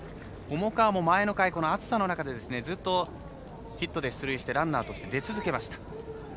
重川も前の回、暑さの中でずっとヒットで出塁してランナーとして出続けました。